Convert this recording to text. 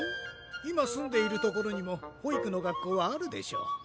今住んでいる所にも保育の学校はあるでしょう？